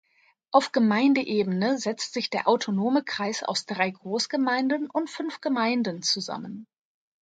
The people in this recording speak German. Auf Gemeindeebene setzt sich der autonome Kreis aus drei Großgemeinden und fünf Gemeinden zusammen.